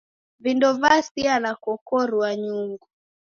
Vindo vasia nakokorua nyungu.